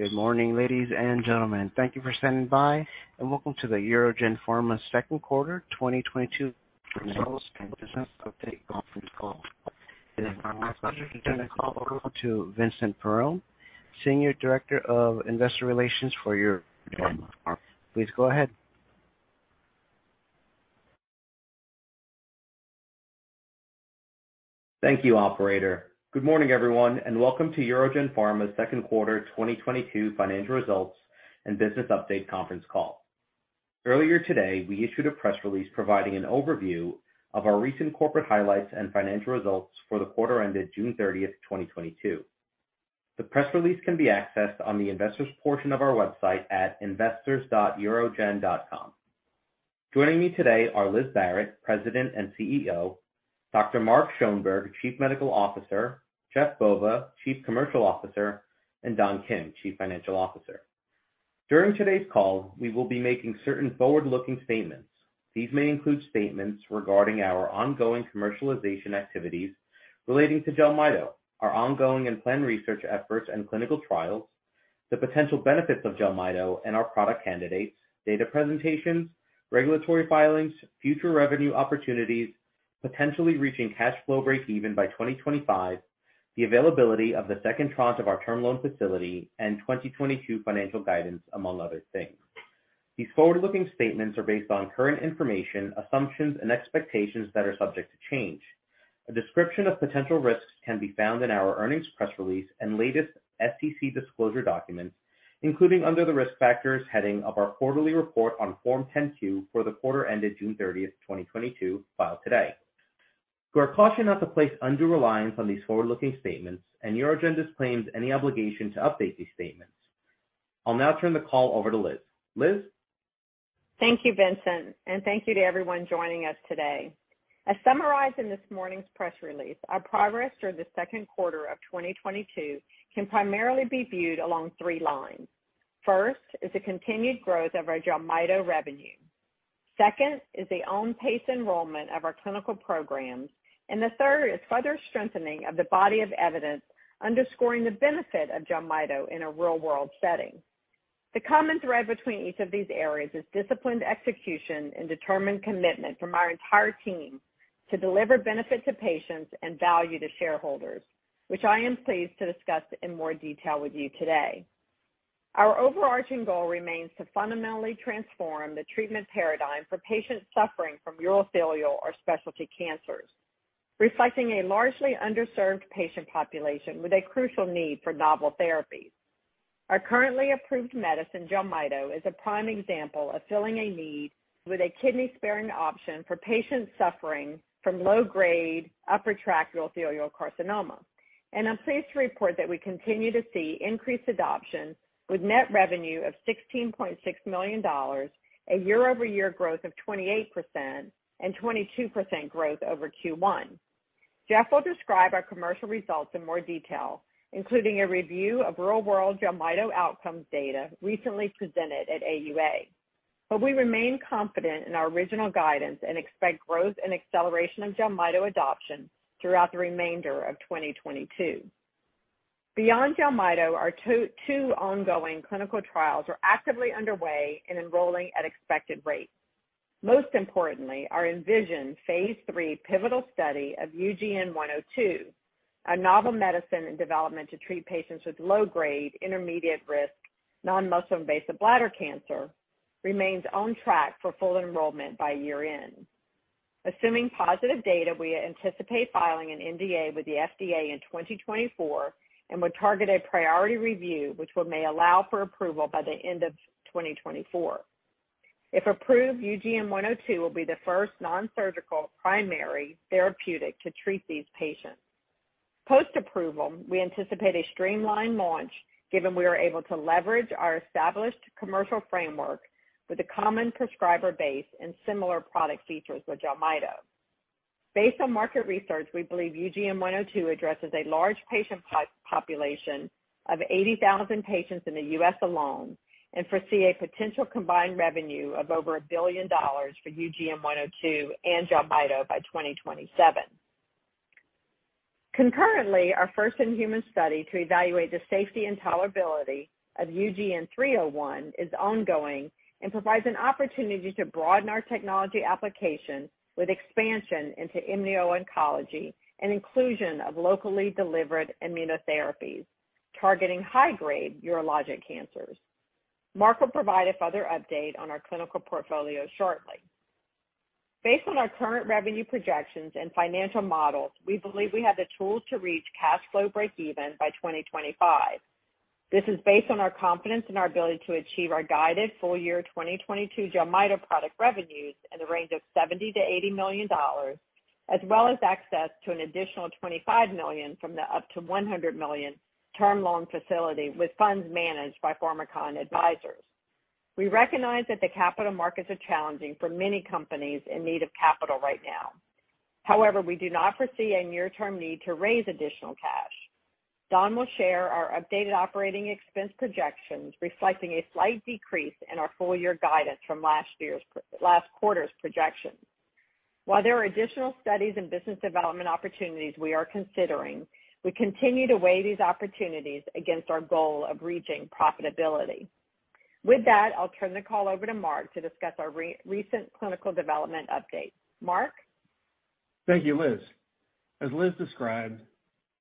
Good morning, ladies and gentlemen. Thank you for standing by and welcome to the UroGen Pharma Second Quarter 2022 Results and Business Update Conference Call. I would now like to turn the call over to Vincent Perrone, Senior Director of Investor Relations for UroGen Pharma. Please go ahead. Thank you, operator. Good morning, everyone, and welcome to UroGen Pharma's second quarter 2022 financial results and business update conference call. Earlier today, we issued a press release providing an overview of our recent corporate highlights and financial results for the quarter ended June 30, 2022. The press release can be accessed on the investors portion of our website at investors.urogen.com. Joining me today are Liz Barrett, President and CEO, Dr. Mark Schoenberg, Chief Medical Officer, Jeff Bova, Chief Commercial Officer, and Don Kim, Chief Financial Officer. During today's call, we will be making certain forward-looking statements. These may include statements regarding our ongoing commercialization activities relating to Jelmyto, our ongoing and planned research efforts and clinical trials, the potential benefits of Jelmyto and our product candidates, data presentations, regulatory filings, future revenue opportunities, potentially reaching cash flow breakeven by 2025, the availability of the second tranche of our term loan facility, and 2022 financial guidance, among other things. These forward-looking statements are based on current information, assumptions, and expectations that are subject to change. A description of potential risks can be found in our earnings press release and latest SEC disclosure documents, including under the Risk Factors heading of our quarterly report on Form 10-Q for the quarter ended June 30, 2022, filed today. We are cautioned not to place undue reliance on these forward-looking statements, and UroGen disclaims any obligation to update these statements. I'll now turn the call over to Liz. Liz? Thank you, Vincent, and thank you to everyone joining us today. As summarized in this morning's press release, our progress through the second quarter of 2022 can primarily be viewed along three lines. First is the continued growth of our Jelmyto revenue. Second is the on-pace enrollment of our clinical programs. The third is further strengthening of the body of evidence underscoring the benefit of Jelmyto in a real-world setting. The common thread between each of these areas is disciplined execution and determined commitment from our entire team to deliver benefit to patients and value to shareholders, which I am pleased to discuss in more detail with you today. Our overarching goal remains to fundamentally transform the treatment paradigm for patients suffering from urothelial or specialty cancers, reflecting a largely underserved patient population with a crucial need for novel therapies. Our currently approved medicine, Jelmyto, is a prime example of filling a need with a kidney-sparing option for patients suffering from low-grade upper tract urothelial carcinoma. I'm pleased to report that we continue to see increased adoption with net revenue of $16.6 million, a 28% year-over-year growth and 22% growth over Q1. Jeff will describe our commercial results in more detail, including a review of real-world Jelmyto outcomes data recently presented at AUA. We remain confident in our original guidance and expect growth and acceleration of Jelmyto adoption throughout the remainder of 2022. Beyond Jelmyto, our two ongoing clinical trials are actively underway and enrolling at expected rates. Most importantly, our ENVISION phase III pivotal study of UGN-102, a novel medicine in development to treat patients with low-grade intermediate-risk non-muscle invasive bladder cancer, remains on track for full enrollment by year-end. Assuming positive data, we anticipate filing an NDA with the FDA in 2024 and would target a priority review which may allow for approval by the end of 2024. If approved, UGN-102 will be the first non-surgical primary therapeutic to treat these patients. Post-approval, we anticipate a streamlined launch given we are able to leverage our established commercial framework with a common prescriber base and similar product features with Jelmyto. Based on market research, we believe UGN-102 addresses a large patient population of 80,000 patients in the U.S. alone and foresee a potential combined revenue of over $1 billion for UGN-102 and Jelmyto by 2027. Concurrently, our first-in-human study to evaluate the safety and tolerability of UGN-301 is ongoing and provides an opportunity to broaden our technology application with expansion into immuno-oncology and inclusion of locally delivered immunotherapies targeting high-grade urologic cancers. Mark will provide a further update on our clinical portfolio shortly. Based on our current revenue projections and financial models, we believe we have the tools to reach cash flow breakeven by 2025. This is based on our confidence in our ability to achieve our guided full-year 2022 Jelmyto product revenues in the range of $70 million-$80 million, as well as access to an additional $25 million from the up to $100 million term loan facility with funds managed by Pharmakon Advisors. We recognize that the capital markets are challenging for many companies in need of capital right now. However, we do not foresee a near-term need to raise additional cash. Don will share our updated operating expense projections reflecting a slight decrease in our full-year guidance from last quarter's projections. While there are additional studies and business development opportunities we are considering, we continue to weigh these opportunities against our goal of reaching profitability. With that, I'll turn the call over to Mark to discuss our recent clinical development update. Mark? Thank you, Liz. As Liz described,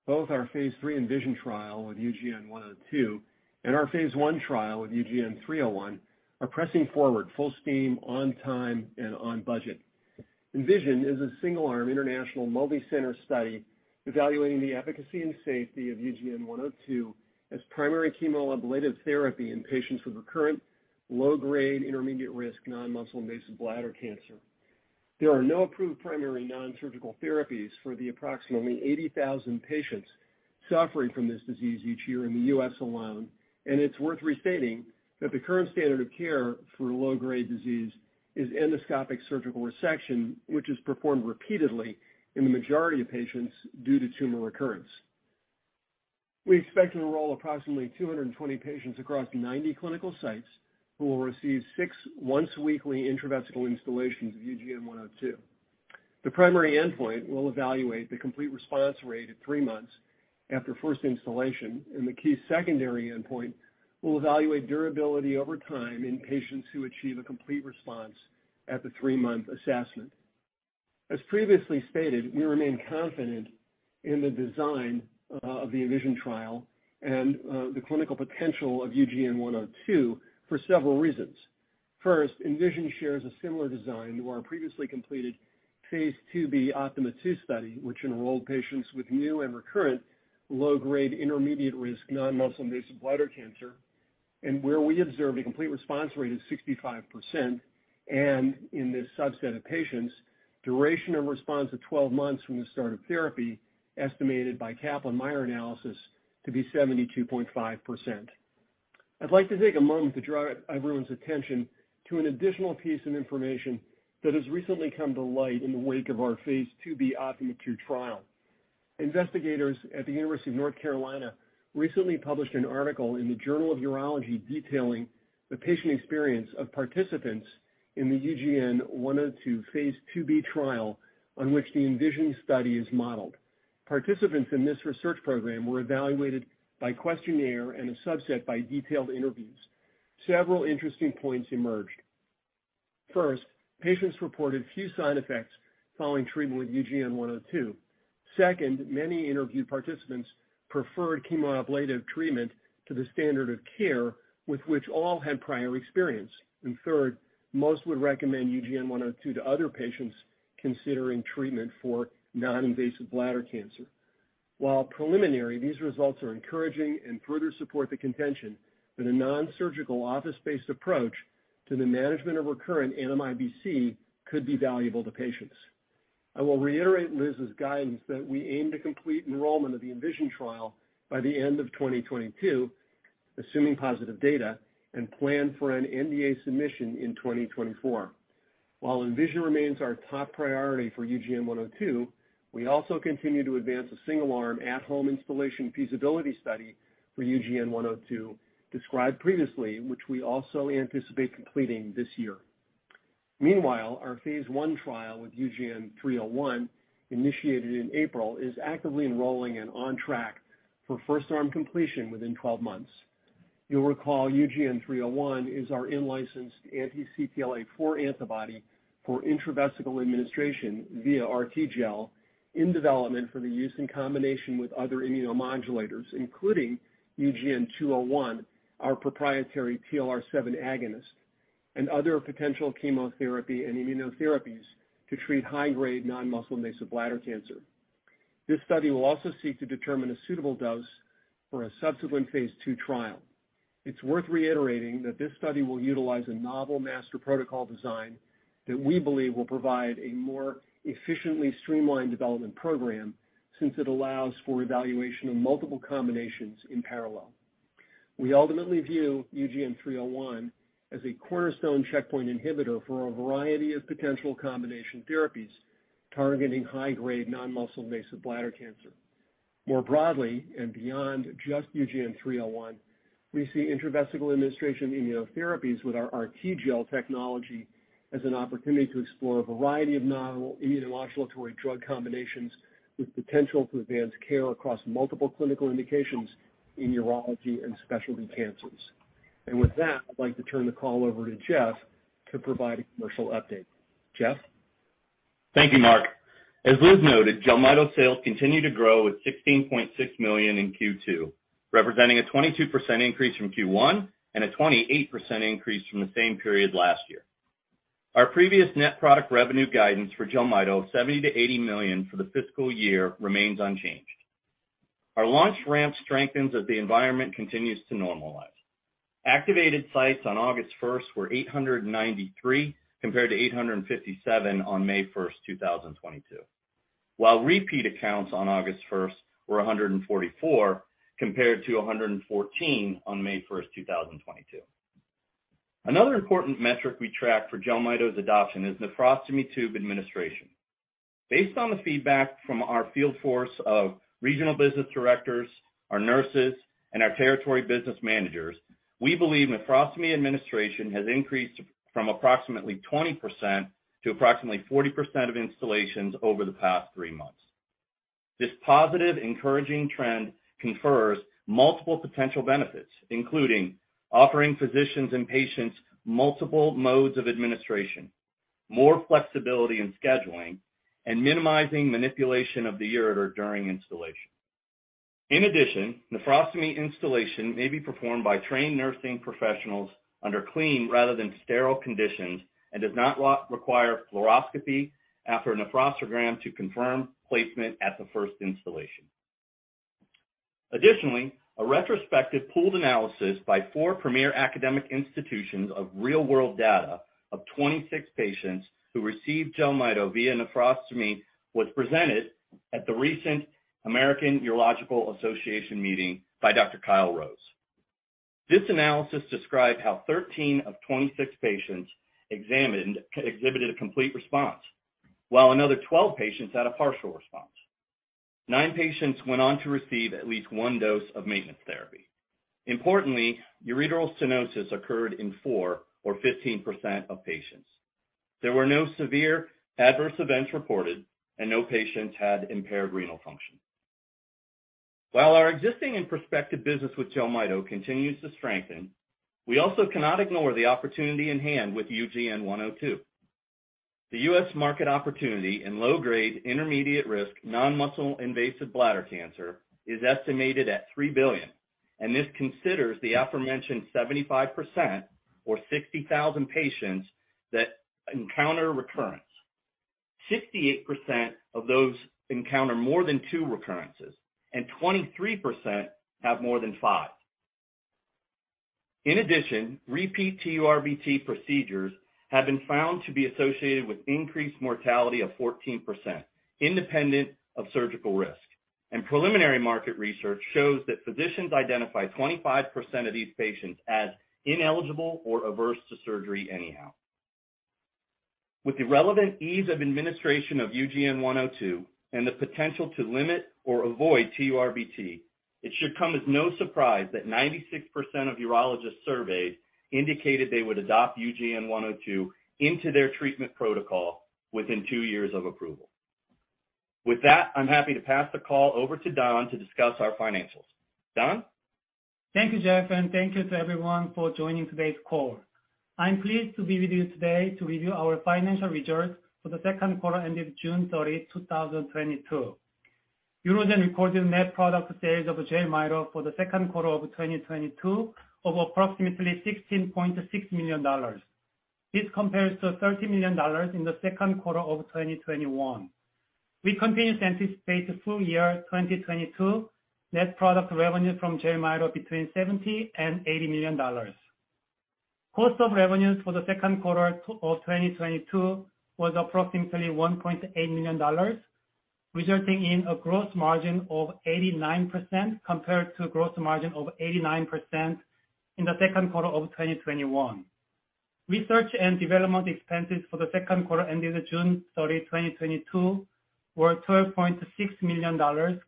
both our phase III ENVISION trial with UGN-102 and our phase I trial with UGN-301 are pressing forward full steam on time and on budget. ENVISION is a single-arm international multi-center study evaluating the efficacy and safety of UGN-102 as primary chemoablative therapy in patients with recurrent low-grade intermediate-risk non-muscle invasive bladder cancer. There are no approved primary non-surgical therapies for the approximately 80,000 patients suffering from this disease each year in the U.S. alone, and it's worth restating that the current standard of care for low-grade disease is endoscopic surgical resection, which is performed repeatedly in the majority of patients due to tumor recurrence. We expect to enroll approximately 220 patients across 90 clinical sites who will receive six once-weekly intravesical installations of UGN-102. The primary endpoint will evaluate the complete response rate at three months after first installation, and the key secondary endpoint will evaluate durability over time in patients who achieve a complete response at the three-month assessment. As previously stated, we remain confident in the design of the ENVISION trial and the clinical potential of UGN-102 for several reasons. First, ENVISION shares a similar design to our previously completed Phase 2b OPTIMA II study, which enrolled patients with new and recurrent low-grade intermediate-risk non-muscle invasive bladder cancer and where we observed a complete response rate of 65%, and in this subset of patients, duration of response at 12 months from the start of therapy estimated by Kaplan-Meier analysis to be 72.5%. I'd like to take a moment to draw everyone's attention to an additional piece of information that has recently come to light in the wake of our Phase II-B OPTIMA II trial. Investigators at the University of North Carolina recently published an article in The Journal of Urology detailing the patient experience of participants in the UGN-102 Phase II-B trial on which the ENVISION study is modeled. Participants in this research program were evaluated by questionnaire and a subset by detailed interviews. Several interesting points emerged. First, patients reported few side effects following treatment with UGN-102. Second, many interviewed participants preferred chemoablative treatment to the standard of care with which all had prior experience. Third, most would recommend UGN-102 to other patients considering treatment for non-invasive bladder cancer. While preliminary, these results are encouraging and further support the contention that a non-surgical office-based approach to the management of recurrent NMIBC could be valuable to patients. I will reiterate Liz's guidance that we aim to complete enrollment of the ENVISION trial by the end of 2022, assuming positive data, and plan for an NDA submission in 2024. While ENVISION remains our top priority for UGN-102, we also continue to advance a single-arm at-home instillation feasibility study for UGN-102 described previously, which we also anticipate completing this year. Meanwhile, our phase I trial with UGN-301 initiated in April is actively enrolling and on track for first arm completion within 12 months. You'll recall UGN-301 is our in-licensed anti-CTLA-4 antibody for intravesical administration via RTGel in development for the use in combination with other immunomodulators, including UGN-201, our proprietary TLR7 agonist and other potential chemotherapy and immunotherapies to treat high-grade non-muscle invasive bladder cancer. This study will also seek to determine a suitable dose for a subsequent phase II trial. It's worth reiterating that this study will utilize a novel master protocol design that we believe will provide a more efficiently streamlined development program since it allows for evaluation of multiple combinations in parallel. We ultimately view UGN-301 as a cornerstone checkpoint inhibitor for a variety of potential combination therapies targeting high-grade non-muscle invasive bladder cancer. More broadly, and beyond just UGN-301, we see intravesical administration immunotherapies with our RTGel technology as an opportunity to explore a variety of novel immunomodulatory drug combinations with potential to advance care across multiple clinical indications in urology and specialty cancers. With that, I'd like to turn the call over to Jeff to provide a commercial update. Jeff? Thank you, Mark. As Liz noted, Jelmyto sales continue to grow at $16.6 million in Q2, representing a 22% increase from Q1 and a 28% increase from the same period last year. Our previous net product revenue guidance for Jelmyto, $70 million-$80 million for the fiscal year, remains unchanged. Our launch ramp strengthens as the environment continues to normalize. Activated sites on 1st August were 893 compared to 857 on 1st May 2022, while repeat accounts on 1st August were 144 compared to 114 on 1st May 2022. Another important metric we track for Jelmyto's adoption is nephrostomy tube administration. Based on the feedback from our field force of regional business directors, our nurses, and our territory business managers, we believe nephrostomy administration has increased from approximately 20% to approximately 40% of installations over the past three months. This positive, encouraging trend confers multiple potential benefits, including offering physicians and patients multiple modes of administration, more flexibility in scheduling, and minimizing manipulation of the ureter during installation. In addition, nephrostomy installation may be performed by trained nursing professionals under clean rather than sterile conditions, and does not require fluoroscopy after a nephrostogram to confirm placement at the first installation. Additionally, a retrospective pooled analysis by four premier academic institutions of real-world data of 26 patients who received Jelmyto via nephrostomy was presented at the recent American Urological Association meeting by Dr. Kyle Rose. This analysis described how 13 of 26 patients examined exhibited a complete response, while another 12 patients had a partial response. Nine patients went on to receive at least one dose of maintenance therapy. Importantly, ureteral stenosis occurred in four or 15% of patients. There were no severe adverse events reported, and no patients had impaired renal function. While our existing and prospective business with Jelmyto continues to strengthen, we also cannot ignore the opportunity in hand with UGN-102. The U.S. market opportunity in low-grade intermediate-risk non-muscle invasive bladder cancer is estimated at $3 billion, and this considers the aforementioned 75% or 60,000 patients that encounter recurrence. 68% of those encounter more than two recurrences, and 23% have more than five. In addition, repeat TURBT procedures have been found to be associated with increased mortality of 14%, independent of surgical risk. Preliminary market research shows that physicians identify 25% of these patients as ineligible or averse to surgery anyhow. With the relevant ease of administration of UGN-102 and the potential to limit or avoid TURBT, it should come as no surprise that 96% of urologists surveyed indicated they would adopt UGN-102 into their treatment protocol within two years of approval. With that, I'm happy to pass the call over to Don to discuss our financials. Don? Thank you, Jeff, and thank you to everyone for joining today's call. I'm pleased to be with you today to review our financial results for the second quarter ending June 30, 2022. UroGen recorded net product sales of Jelmyto for the second quarter of 2022 of approximately $16.6 million. This compares to $30 million in the second quarter of 2021. We continue to anticipate full year 2022 net product revenue from Jelmyto between $70 million and $80 million. Cost of revenues for the second quarter of 2022 was approximately $1.8 million, resulting in a gross margin of 89% compared to gross margin of 89% in the second quarter of 2021. Research and development expenses for the second quarter ending June 30, 2022, were $12.6 million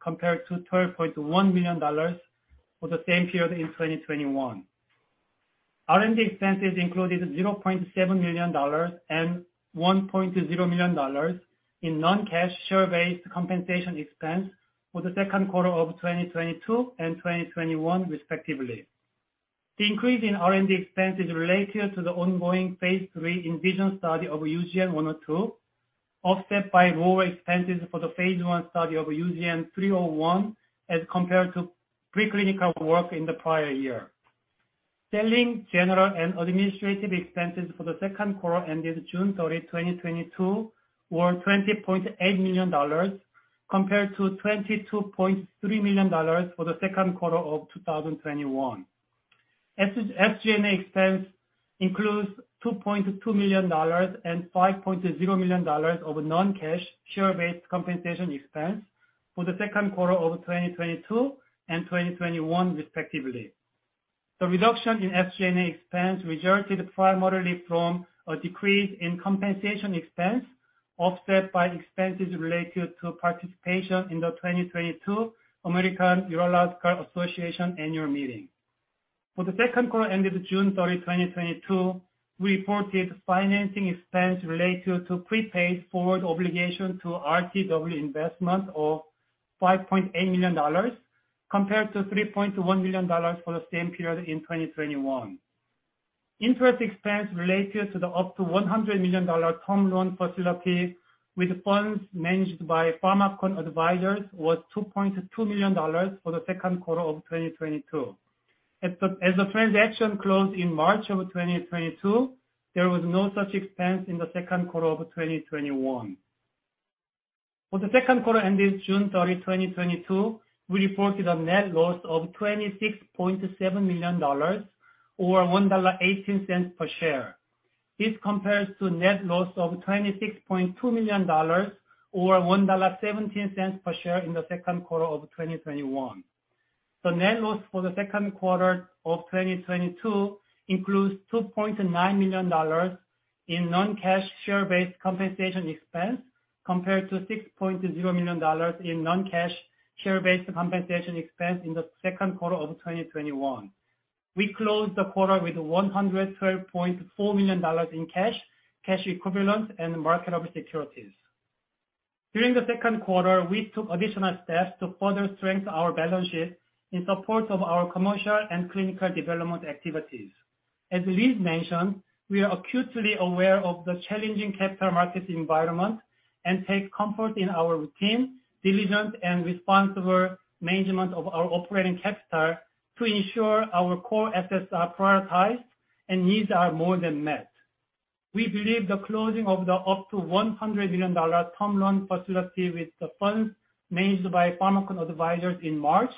compared to $12.1 million for the same period in 2021. R&D expenses included $0.7 million and $1.0 million in non-cash share-based compensation expense for the second quarter of 2022 and 2021 respectively. The increase in R&D expense is related to the ongoing phase III ENVISION study of UGN-102, offset by lower expenses for the phase I study of UGN-301 as compared to preclinical work in the prior year. Selling, general, and administrative expenses for the second quarter ending 30th June 2022, were $20.8 million compared to $22.3 million for the second quarter of 2021. SG&A expense includes $2.2 million and $5.0 million of non-cash share-based compensation expense for the second quarter of 2022 and 2021 respectively. The reduction in SG&A expense resulted primarily from a decrease in compensation expense offset by expenses related to participation in the 2022 American Urological Association annual meeting. For the second quarter ending June 30, 2022, we reported financing expense related to prepaid forward obligation to RTW Investments of $5.8 million compared to $3.1 million for the same period in 2021. Interest expense related to the up to $100 million term loan facility with funds managed by Pharmakon Advisors was $2.2 million for the second quarter of 2022. As the transaction closed in March 2022, there was no such expense in the second quarter of 2021. For the second quarter ending 30th June 2022, we reported a net loss of $26.7 million or $1.18 per share. This compares to net loss of $26.2 million or $1.17 per share in the second quarter of 2021. The net loss for the second quarter of 2022 includes $2.9 million in non-cash share-based compensation expense compared to $6.0 million in non-cash share-based compensation expense in the second quarter of 2021. We closed the quarter with $112.4 million in cash equivalents and marketable securities. During the second quarter, we took additional steps to further strengthen our balance sheet in support of our commercial and clinical development activities. As Liz mentioned, we are acutely aware of the challenging capital market environment and take comfort in our routine, diligent and responsible management of our operating capital to ensure our core assets are prioritized and needs are more than met. We believe the closing of the up to $100 million term loan facility with the funds managed by Pharmakon Advisors in March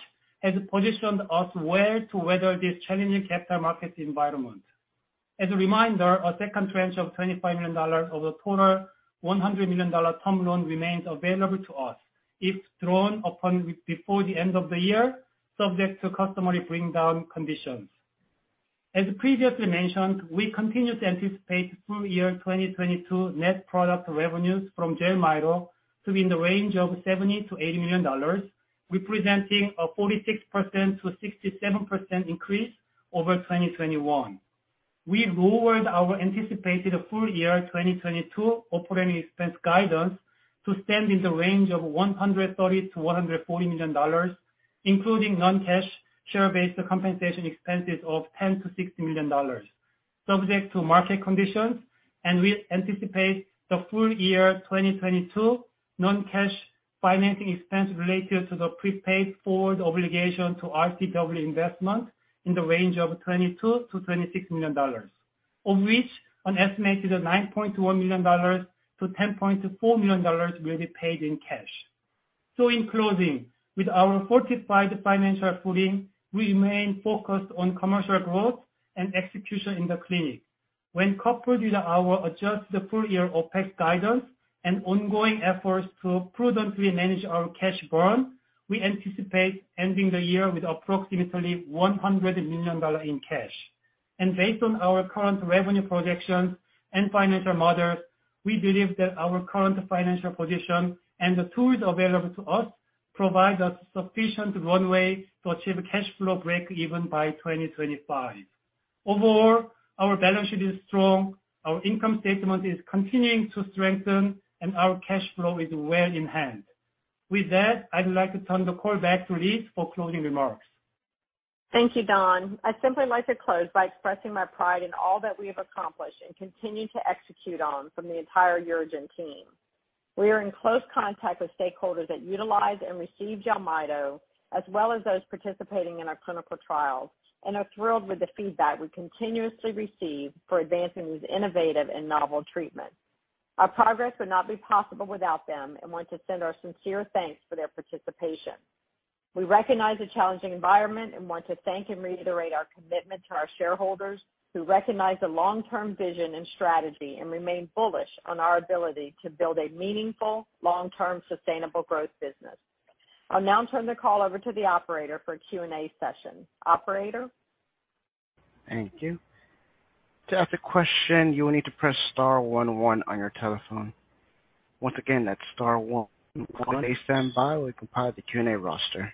has positioned us well to weather this challenging capital market environment. As a reminder, our second tranche of $25 million of the total $100 million term loan remains available to us if drawn upon before the end of the year, subject to customary bring down conditions. As previously mentioned, we continue to anticipate full year 2022 net product revenues from Jelmyto to be in the range of $70 million-$80 million, representing a 46%-67% increase over 2021. We lowered our anticipated full year 2022 operating expense guidance to stand in the range of $130 million-$140 million, including non-cash share-based compensation expenses of $10 million-$60 million, subject to market conditions. We anticipate the full year 2022 non-cash financing expense related to the prepaid forward obligation to RTW Investments in the range of $22 million-$26 million, of which an estimated $9.1 million-$10.4 million will be paid in cash. In closing, with our fortified financial footing, we remain focused on commercial growth and execution in the clinic. When coupled with our adjusted full-year OPEX guidance and ongoing efforts to prudently manage our cash burn, we anticipate ending the year with approximately $100 million in cash. Based on our current revenue projections and financial models, we believe that our current financial position and the tools available to us provide us sufficient runway to achieve cash flow breakeven by 2025. Overall, our balance sheet is strong, our income statement is continuing to strengthen, and our cash flow is well in hand. With that, I'd like to turn the call back to Liz for closing remarks. Thank you, Dong. I'd simply like to close by expressing my pride in all that we have accomplished and continue to execute on from the entire UroGen team. We are in close contact with stakeholders that utilize and receive Jelmyto, as well as those participating in our clinical trials, and are thrilled with the feedback we continuously receive for advancing these innovative and novel treatments. Our progress would not be possible without them and want to send our sincere thanks for their participation. We recognize the challenging environment and want to thank and reiterate our commitment to our shareholders, who recognize the long-term vision and strategy and remain bullish on our ability to build a meaningful, long-term, sustainable growth business. I'll now turn the call over to the operator for Q&A session. Operator? Thank you. To ask a question, you will need to press star one one on your telephone. Once again, that's star one one. Please stand by while we compile the Q&A roster.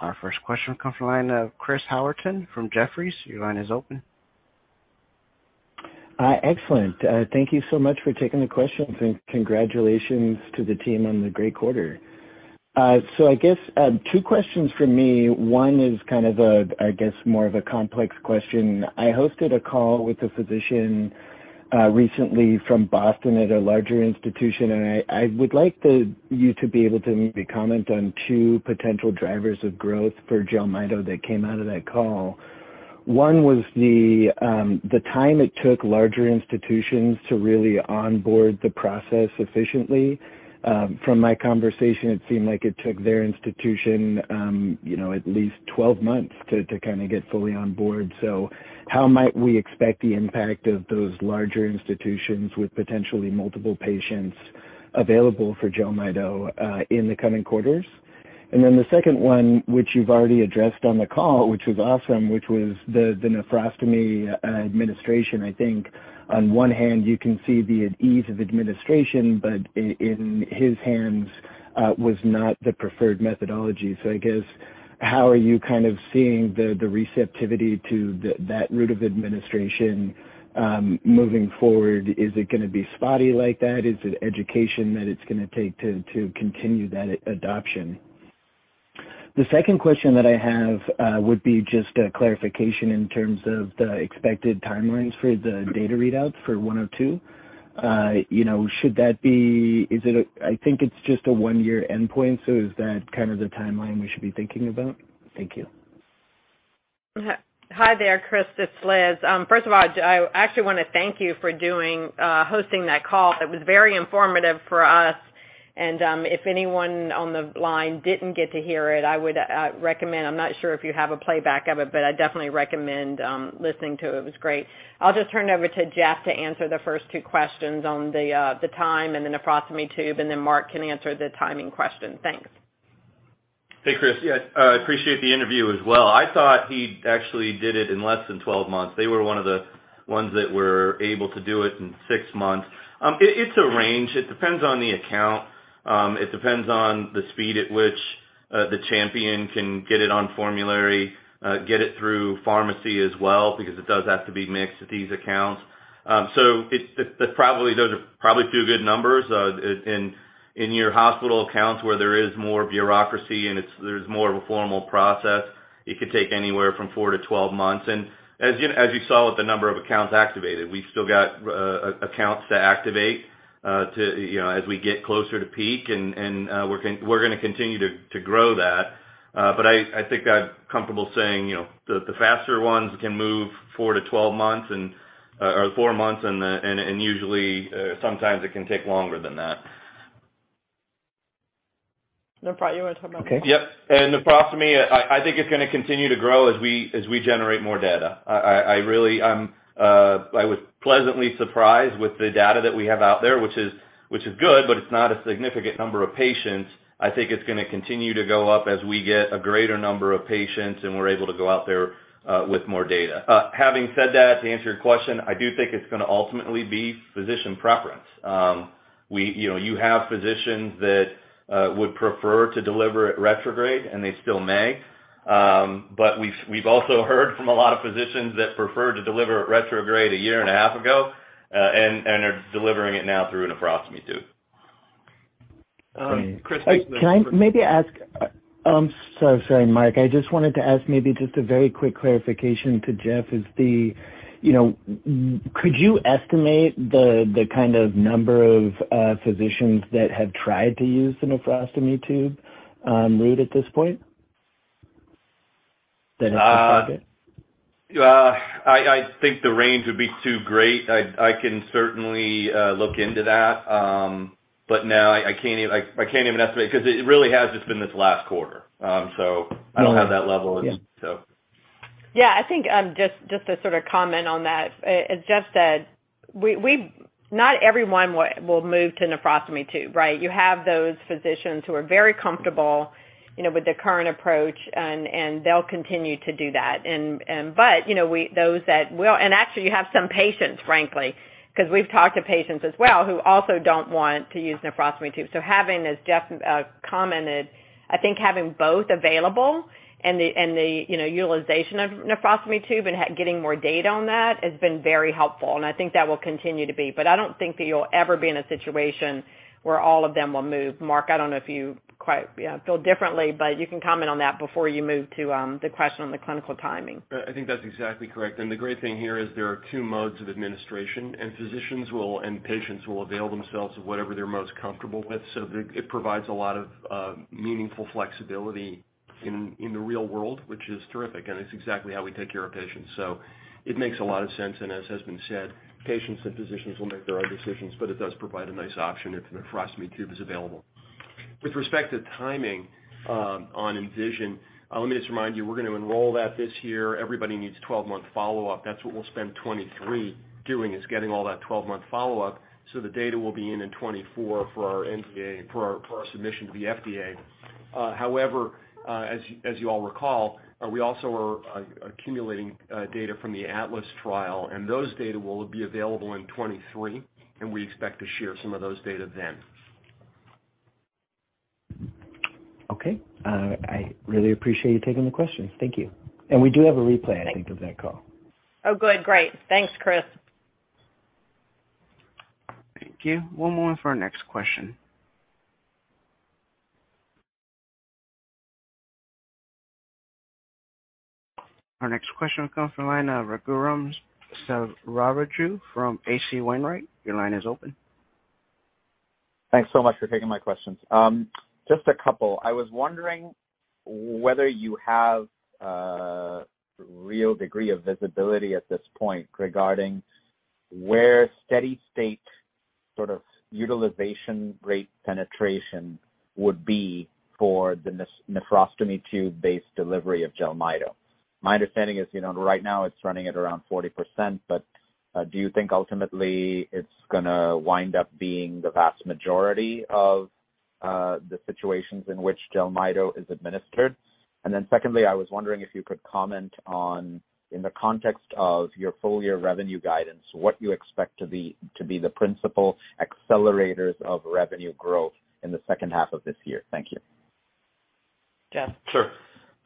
Our first question comes from the line of Chris Howerton from Jefferies. Your line is open. Excellent. Thank you so much for taking the questions, and congratulations to the team on the great quarter. I guess, two questions from me. One is kind of a, I guess, more of a complex question. I hosted a call with a physician, recently from Boston at a larger institution, and I would like you to be able to maybe comment on two potential drivers of growth for Jelmyto that came out of that call. One was the time it took larger institutions to really onboard the process efficiently. From my conversation, it seemed like it took their institution, you know, at least 12 months to kind of get fully on board. How might we expect the impact of those larger institutions with potentially multiple patients available for Jelmyto in the coming quarters? The second one, which you've already addressed on the call, which was awesome, which was the nephrostomy administration. I think on one hand, you can see the ease of administration, but in his hands was not the preferred methodology. How are you kind of seeing the receptivity to that route of administration moving forward? Is it gonna be spotty like that? Is it education that it's gonna take to continue that adoption? The second question that I have would be just a clarification in terms of the expected timelines for the data readouts for 102. You know, should that be? Is it a? I think it's just a one year endpoint, so is that kind of the timeline we should be thinking about? Thank you. Hi there, Chris. It's Liz. First of all, I actually wanna thank you for hosting that call. It was very informative for us. If anyone on the line didn't get to hear it, I would recommend. I'm not sure if you have a playback of it, but I definitely recommend listening to it. It was great. I'll just turn it over to Jeff to answer the first two questions on the time and the nephrostomy tube, and then Mark can answer the timing question. Thanks. Hey, Chris. Yes, I appreciate the interview as well. I thought he actually did it in less than 12 months. They were one of the ones that were able to do it in six months. It's a range. It depends on the account. It depends on the speed at which the champion can get it on formulary, get it through pharmacy as well, because it does have to be mixed with these accounts. That probably those are probably two good numbers. In your hospital accounts where there is more bureaucracy and there's more of a formal process, it could take anywhere from 4-12 months. As you saw with the number of accounts activated, we've still got accounts to activate, you know, as we get closer to peak, and we're gonna continue to grow that. But I think I'm comfortable saying, you know, the faster ones can move 4-12 months or four months and usually, sometimes it can take longer than that. Nephro, you wanna talk about that? Okay. Yep. Nephrostomy, I think it's gonna continue to grow as we generate more data. I really was pleasantly surprised with the data that we have out there, which is good, but it's not a significant number of patients. I think it's gonna continue to go up as we get a greater number of patients, and we're able to go out there with more data. Having said that, to answer your question, I do think it's gonna ultimately be physician preference. You know, you have physicians that would prefer to deliver it retrograde, and they still may. But we've also heard from a lot of physicians that prefer to deliver it retrograde a year and a half ago, and are delivering it now through a nephrostomy tube. Chris Sorry, Mark. I just wanted to ask maybe just a very quick clarification to Jeff. You know, could you estimate the kind of number of physicians that have tried to use the nephrostomy tube route at this point? That is the target. I think the range would be too great. I can certainly look into that. No, I can't even estimate 'cause it really has just been this last quarter. I don't have that level. Yeah. So. Yeah. I think just to sort of comment on that. As Jeff said, not everyone will move to nephrostomy tube, right? You have those physicians who are very comfortable, you know, with the current approach and they'll continue to do that. You know, those that will. Actually, you have some patients, frankly, 'cause we've talked to patients as well, who also don't want to use nephrostomy tubes. Having, as Jeff commented, I think having both available and the you know, utilization of nephrostomy tube and getting more data on that has been very helpful, and I think that will continue to be. I don't think that you'll ever be in a situation where all of them will move. Mark, I don't know if you quite, yeah, feel differently, but you can comment on that before you move to the question on the clinical timing. I think that's exactly correct. The great thing here is there are two modes of administration, and physicians will and patients will avail themselves of whatever they're most comfortable with. It provides a lot of meaningful flexibility in the real world, which is terrific, and it's exactly how we take care of patients. It makes a lot of sense. Patients and physicians will make their own decisions, but it does provide a nice option if the nephrostomy tube is available. With respect to timing, on ENVISION, let me just remind you, we're gonna enroll that this year. Everybody needs 12-month follow-up. That's what we'll spend 2023 doing, is getting all that 12-month follow-up so the data will be in 2024 for our NDA for our submission to the FDA. However, as you all recall, we also are accumulating data from the ATLAS trial, and those data will be available in 2023, and we expect to share some of those data then. Okay. I really appreciate you taking the question. Thank you. We do have a replay, I think, of that call. Oh, good. Great. Thanks, Chris. Thank you. One moment for our next question. Our next question comes from the line of Raghuram Selvaraju from H.C. Wainwright. Your line is open. Thanks so much for taking my questions. Just a couple. I was wondering whether you have real degree of visibility at this point regarding where steady state sort of utilization rate penetration would be for the nephrostomy tube-based delivery of Jelmyto. My understanding is, you know, right now it's running at around 40%, but do you think ultimately it's gonna wind up being the vast majority of the situations in which Jelmyto is administered? Secondly, I was wondering if you could comment on, in the context of your full-year revenue guidance, what you expect to be the principal accelerators of revenue growth in the second half of this year. Thank you. Jeff?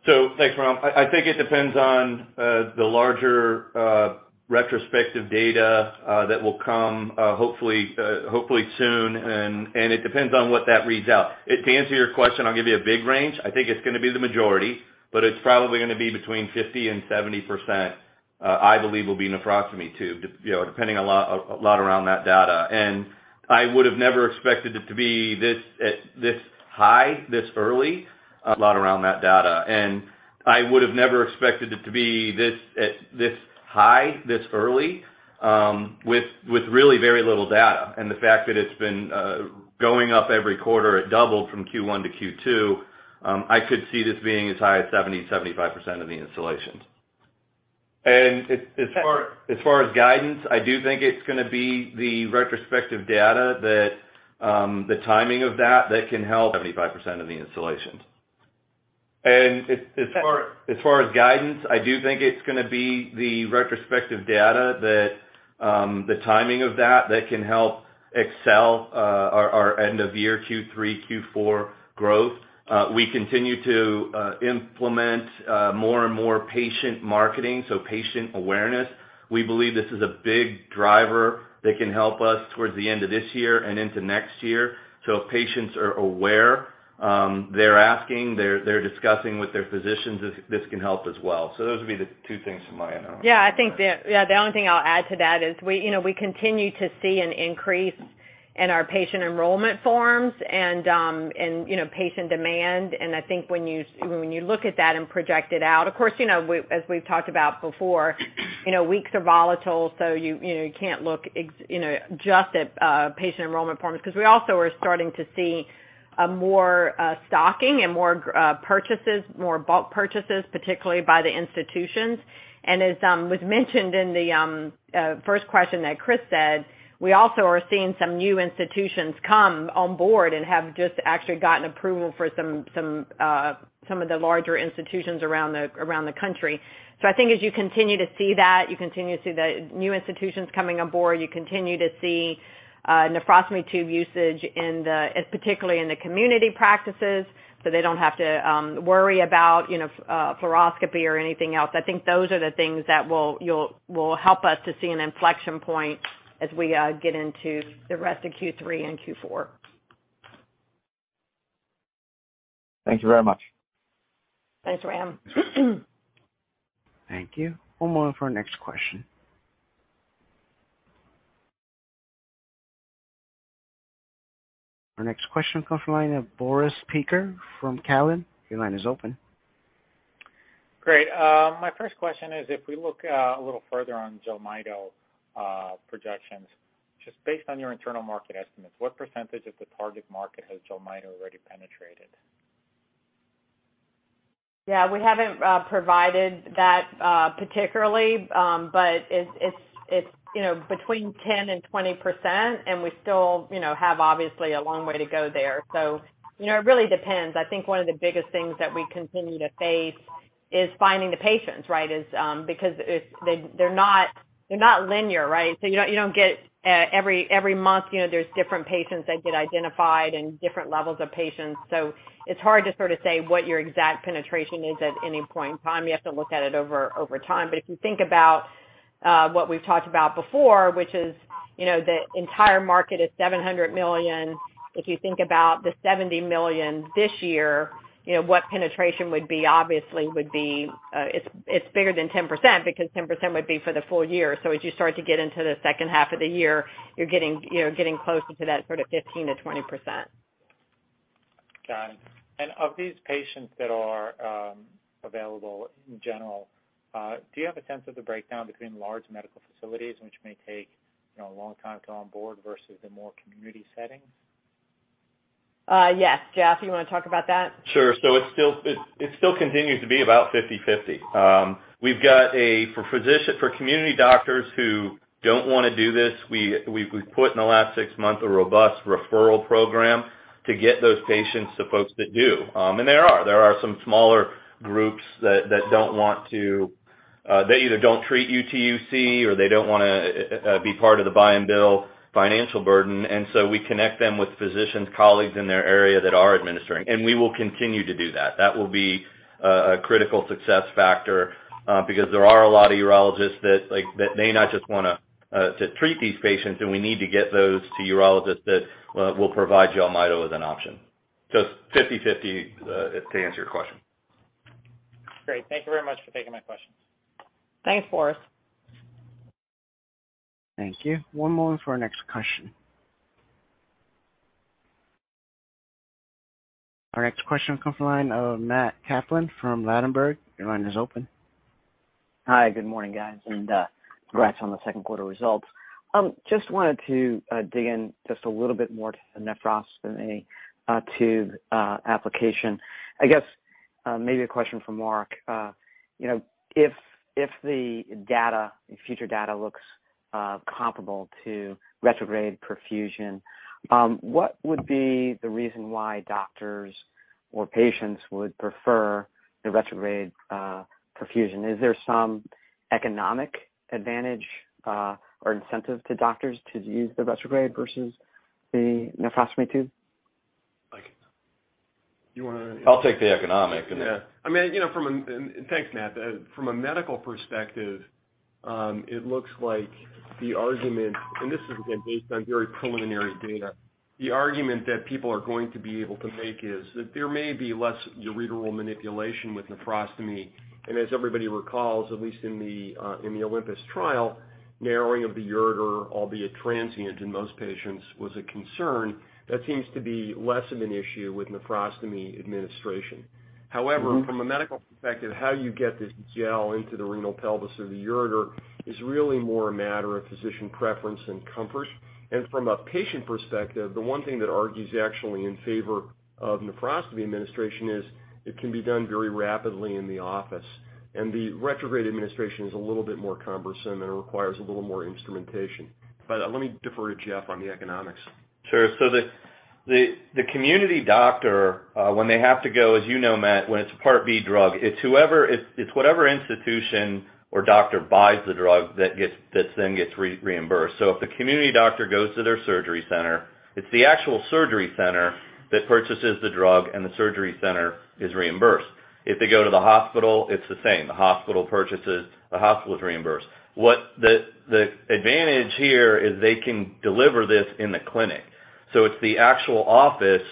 Thanks, Ram. I think it depends on the larger retrospective data that will come hopefully soon, and it depends on what that reads out. To answer your question, I'll give you a big range. I think it's gonna be the majority, but it's probably gonna be between 50%-70%, I believe will be nephrostomy tube, you know, depending a lot around that data. I would have never expected it to be this high this early, a lot around that data. I would have never expected it to be this high this early with really very little data. The fact that it's been going up every quarter, it doubled from Q1 to Q2. I could see this being as high as 70%-75% of the installations. As far as guidance, I do think it's gonna be the retrospective data that the timing of that can help accelerate our end-of-year Q3, Q4 growth. We continue to implement more and more patient marketing, so patient awareness. We believe this is a big driver that can help us towards the end of this year and into next year. If patients are aware, they're asking, they're discussing with their physicians, this can help as well. Those would be the two things from my end. Yeah, I think the only thing I'll add to that is we, you know, we continue to see an increase in our patient enrollment forms and you know, patient demand. I think when you look at that and project it out, of course, you know, as we've talked about before, you know, weeks are volatile, so you know you can't look you know just at patient enrollment forms. 'Cause we also are starting to see more stocking and more purchases, more bulk purchases, particularly by the institutions. As was mentioned in the first question that Chris said, we also are seeing some new institutions come on board and have just actually gotten approval for some of the larger institutions around the country. I think as you continue to see that, you continue to see the new institutions coming on board, you continue to see nephrostomy tube usage, particularly in the community practices, so they don't have to worry about, you know, fluoroscopy or anything else. I think those are the things that will help us to see an inflection point as we get into the rest of Q3 and Q4. Thank you very much. Thanks, Ram. Thank you. One moment for our next question. Our next question comes from the line of Boris Peaker from TD Cowen. Your line is open. Great. My first question is, if we look a little further on Jelmyto projections, just based on your internal market estimates, what percentage of the target market has Jelmyto already penetrated? Yeah, we haven't provided that particularly, but it's you know, between 10%-20%, and we still you know, have obviously a long way to go there. It really depends. I think one of the biggest things that we continue to face is finding the patients, right? Because they're not linear, right? You don't get every month, you know, there's different patients that get identified and different levels of patients. It's hard to sort of say what your exact penetration is at any point in time. You have to look at it over time. If you think about what we've talked about before, which is you know, the entire market is $700 million. If you think about the $70 million this year, you know, what penetration would be obviously would be, it's bigger than 10% because 10% would be for the full year. As you start to get into the second half of the year, you're getting, you know, getting closer to that sort of 15%-20%. Got it. Of these patients that are available in general, do you have a sense of the breakdown between large medical facilities which may take, you know, a long time to come on board versus the more community setting? Yes. Jeff, you wanna talk about that? Sure. It still continues to be about 50/50. We've got for community doctors who don't wanna do this, we've put in the last 6 months a robust referral program to get those patients to folks that do. There are some smaller groups that don't want to. They either don't treat UTUC or they don't wanna be part of the buy and bill financial burden. We connect them with physicians, colleagues in their area that are administering. We will continue to do that. That will be a critical success factor, because there are a lot of urologists that like that may not just wanna to treat these patients, and we need to get those to urologists that will provide Jelmyto as an option. It's 50/50 to answer your question. Great. Thank you very much for taking my questions. Thanks, Boris. Thank you. One moment for our next question. Our next question comes from the line of Matt Kaplan from Ladenburg Thalmann. Your line is open. Hi. Good morning, guys. Congrats on the second quarter results. Just wanted to dig in just a little bit more to the nephrostomy tube application. I guess maybe a question for Mark. You know, if the future data looks comparable to retrograde perfusion, what would be the reason why doctors or patients would prefer the retrograde perfusion? Is there some economic advantage or incentive to doctors to use the retrograde versus the nephrostomy tube? Like... You wanna- I'll take the economic and then. Yeah. I mean, you know, thanks, Matt. From a medical perspective, it looks like the argument, and this is again, based on very preliminary data, the argument that people are going to be able to make is that there may be less ureteral manipulation with nephrostomy, and as everybody recalls, at least in the Olympus trial, narrowing of the ureter, albeit transient in most patients, was a concern that seems to be less of an issue with nephrostomy administration. However. Mm-hmm From a medical perspective, how you get this gel into the renal pelvis of the ureter is really more a matter of physician preference and comfort. From a patient perspective, the one thing that argues actually in favor of nephrostomy administration is it can be done very rapidly in the office, and the retrograde administration is a little bit more cumbersome, and it requires a little more instrumentation. Let me defer to Jeff on the economics. Sure. The community doctor, when they have to go, as you know, Matt, when it's a Part B drug, it's whatever institution or doctor buys the drug that then gets reimbursed. If the community doctor goes to their surgery center, it's the actual surgery center that purchases the drug, and the surgery center is reimbursed. If they go to the hospital, it's the same. The hospital purchases, the hospital is reimbursed. What the advantage here is they can deliver this in the clinic, so it's the actual office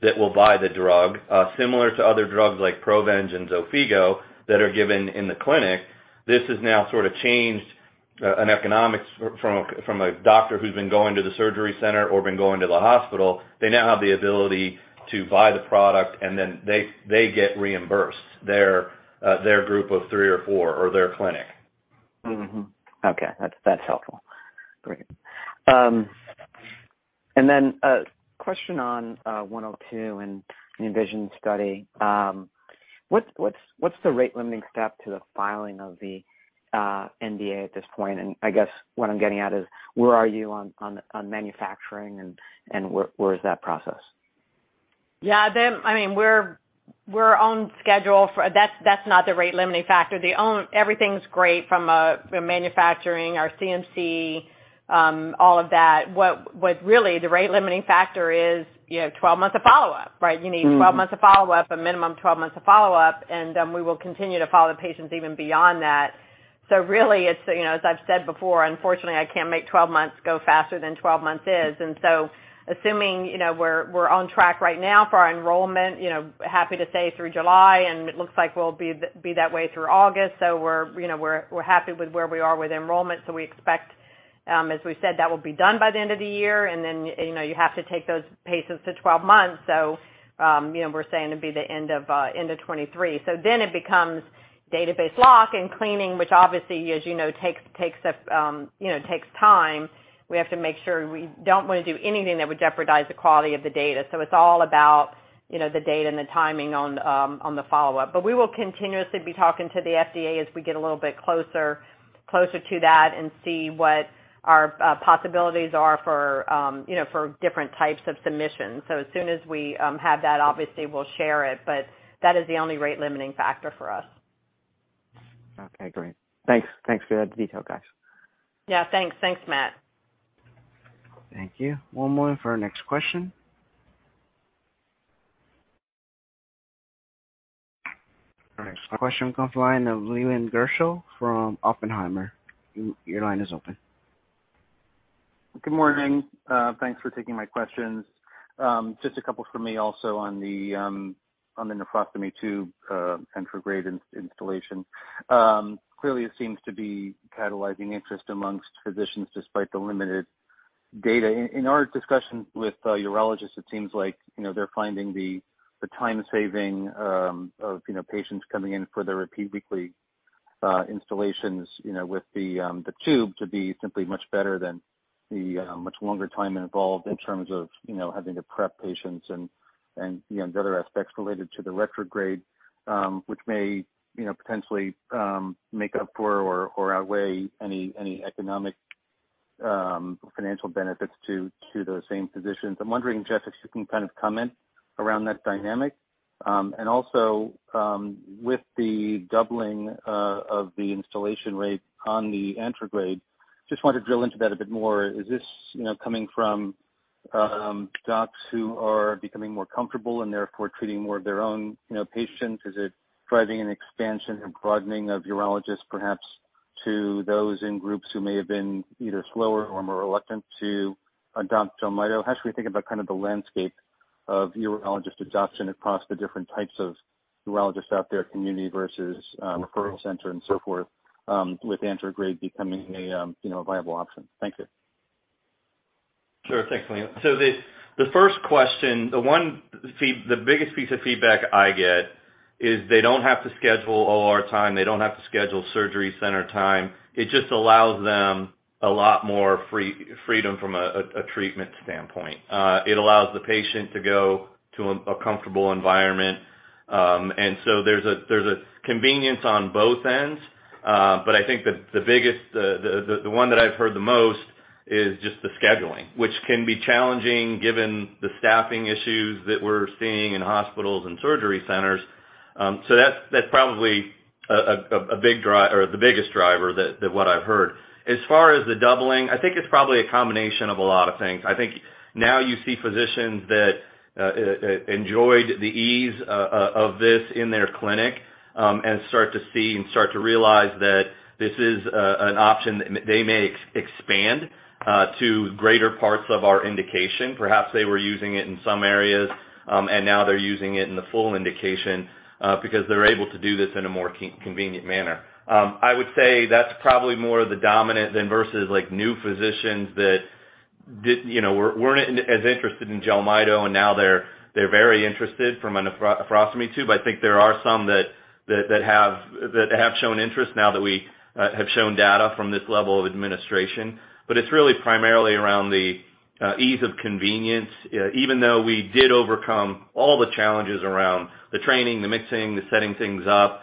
that will buy the drug, similar to other drugs like Provenge and Xofigo that are given in the clinic. This has now sort of changed the economics from a doctor who's been going to the surgery center or been going to the hospital. They now have the ability to buy the product, and then they get reimbursed, their group of three or four or their clinic. Mm-hmm. Okay. That's helpful. Great. Question on 102 and the ENVISION study. What's the rate limiting step to the filing of the NDA at this point? I guess what I'm getting at is where are you on manufacturing and where is that process? Yeah. I mean, we're on schedule. That's not the rate limiting factor. Everything's great from a, you know, manufacturing, our CMC, all of that. What really the rate limiting factor is you have 12 months of follow-up, right? Mm-hmm. You need 12 months of follow-up, a minimum 12 months of follow-up, and we will continue to follow patients even beyond that. Really, it's, you know, as I've said before, unfortunately, I can't make 12 months go faster than 12 months is. Assuming, you know, we're on track right now for our enrollment, you know, happy to say through July, and it looks like we'll be that way through August. We're, you know, happy with where we are with enrollment. We expect, as we said, that will be done by the end of the year. You have to take those patients to 12 months. You know, we're saying it'd be the end of 2023. It becomes database lock and cleaning, which obviously, as you know, takes time. We have to make sure we don't wanna do anything that would jeopardize the quality of the data. It's all about, you know, the data and the timing on the follow-up. We will continuously be talking to the FDA as we get a little bit closer to that and see what our possibilities are for different types of submissions. As soon as we have that, obviously we'll share it, but that is the only rate limiting factor for us. Okay. Great. Thanks. Thanks for that detail, guys. Yeah, thanks. Thanks, Matt. Thank you. One moment for our next question. Our next question comes from the line of Leland Gershell from Oppenheimer. Leland, your line is open. Good morning. Thanks for taking my questions. Just a couple from me also on the nephrostomy tube and for Jelmyto installation. Clearly it seems to be catalyzing interest among physicians despite the limited data. In our discussions with urologists, it seems like, you know, they're finding the time saving of, you know, patients coming in for their repeat weekly installations, you know, with the tube to be simply much better than the much longer time involved in terms of, you know, having to prep patients and, you know, the other aspects related to the retrograde, which may, you know, potentially make up for or outweigh any economic financial benefits to those same physicians. I'm wondering, Jeff, if you can kind of comment around that dynamic. Also, with the doubling of the installation rate on the antegrade, just want to drill into that a bit more. Is this, you know, coming from docs who are becoming more comfortable and therefore treating more of their own, you know, patients? Is it driving an expansion and broadening of urologists, perhaps to those in groups who may have been either slower or more reluctant to adopt Jelmyto? How should we think about kind of the landscape of urologist adoption across the different types of urologists out there, community versus referral center and so forth, with antegrade becoming a, you know, a viable option? Thank you. Sure. Thanks, Leland. The first question, the biggest piece of feedback I get is they don't have to schedule OR time. They don't have to schedule surgery center time. It just allows them a lot more freedom from a treatment standpoint. It allows the patient to go to a comfortable environment. There's a convenience on both ends. I think the biggest one that I've heard the most is just the scheduling, which can be challenging given the staffing issues that we're seeing in hospitals and surgery centers. That's probably the biggest driver. That's what I've heard. As far as the doubling, I think it's probably a combination of a lot of things. I think now you see physicians that enjoyed the ease of this in their clinic and start to see and start to realize that this is an option they may expand to greater parts of our indication. Perhaps they were using it in some areas and now they're using it in the full indication because they're able to do this in a more convenient manner. I would say that's probably more of the dominant than versus like new physicians that you know weren't as interested in Jelmyto and now they're very interested from a nephrostomy tube. I think there are some that have shown interest now that we have shown data from this level of administration. It's really primarily around the ease of convenience. Even though we did overcome all the challenges around the training, the mixing, the setting things up,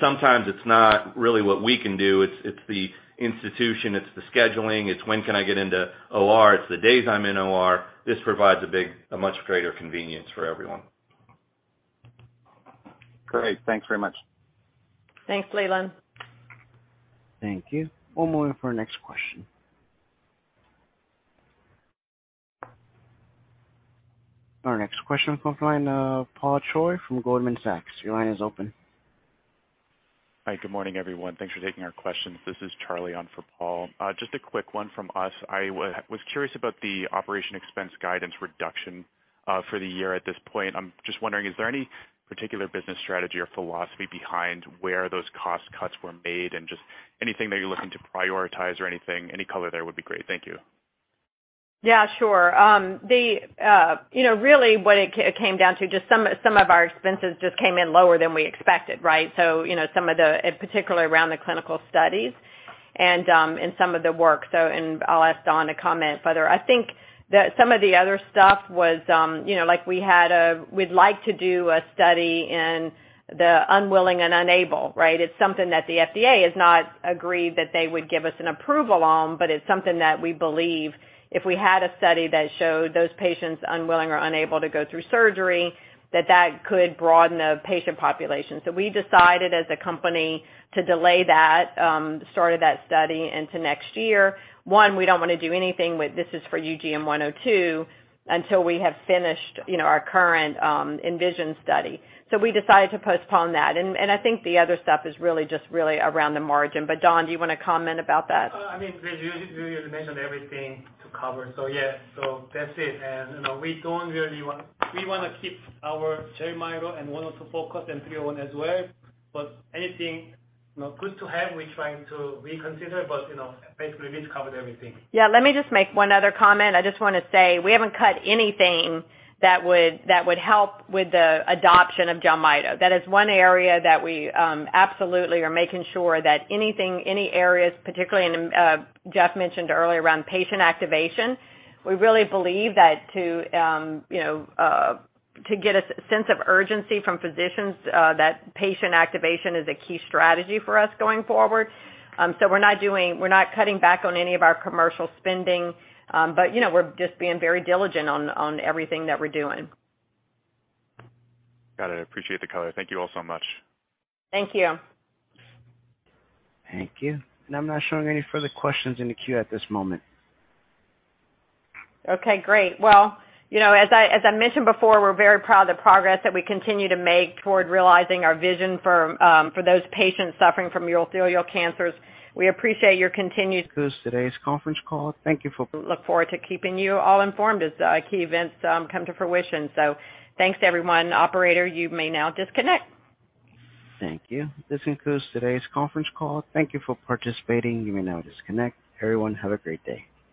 sometimes it's not really what we can do, it's the institution, it's the scheduling, it's when can I get into OR, it's the days I'm in OR. This provides a much greater convenience for everyone. Great. Thanks very much. Thanks, Leland. Thank you. One moment for our next question. Our next question comes from the line of Paul Choi from Goldman Sachs. Your line is open. Hi. Good morning, everyone. Thanks for taking our questions. This is Charlie on for Paul. Just a quick one from us. I was curious about the operating expense guidance reduction for the year at this point. I'm just wondering, is there any particular business strategy or philosophy behind where those cost cuts were made? Just anything that you're looking to prioritize or anything, any color there would be great. Thank you. Yeah, sure. You know, really it came down to, just some of our expenses just came in lower than we expected, right? You know, and particularly around the clinical studies and some of the work. And I'll ask Don to comment further. I think some of the other stuff was, you know, like we'd like to do a study in the unwilling and unable, right? It's something that the FDA has not agreed that they would give us an approval on, but it's something that we believe if we had a study that showed those patients unwilling or unable to go through surgery, that could broaden the patient population. We decided as a company to delay the start of that study into next year. One, we don't wanna do anything with this is for UGN-102 until we have finished, you know, our current ENVISION study. We decided to postpone that. I think the other stuff is really just around the margin. Don, do you wanna comment about that? I mean, Liz Barrett, you mentioned everything to cover. Yeah, that's it. You know, we wanna keep our Jelmyto and one oh two focused and three oh one as well. Anything, you know, good to have, we're trying to reconsider. You know, basically, Liz Barrett covered everything. Yeah, let me just make one other comment. I just wanna say we haven't cut anything that would help with the adoption of Jelmyto. That is one area that we absolutely are making sure that anything, any areas, particularly in Jeff mentioned earlier around patient activation. We really believe that to get a sense of urgency from physicians that patient activation is a key strategy for us going forward. So we're not cutting back on any of our commercial spending. But, you know, we're just being very diligent on everything that we're doing. Got it. Appreciate the color. Thank you all so much. Thank you. Thank you. I'm not showing any further questions in the queue at this moment. Okay, great. Well, you know, as I mentioned before, we're very proud of the progress that we continue to make toward realizing our vision for those patients suffering from urothelial cancers. We appreciate your continued. This concludes today's conference call. Thank you for Look forward to keeping you all informed as key events come to fruition. Thanks everyone. Operator, you may now disconnect. Thank you. This concludes today's conference call. Thank you for participating. You may now disconnect. Everyone, have a great day.